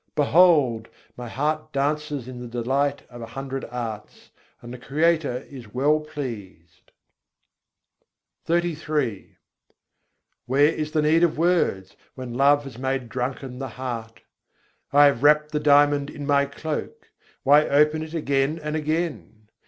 Behold! my heart dances in the delight of a hundred arts; and the Creator is well pleased. XXXIII II. 105. man mast huâ tab kyon bole Where is the need of words, when love has made drunken the heart? I have wrapped the diamond in my cloak; why open it again and again?